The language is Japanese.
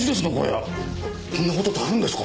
こんな事ってあるんですか？